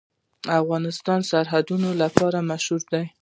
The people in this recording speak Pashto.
افغانستان د سرحدونه لپاره مشهور دی.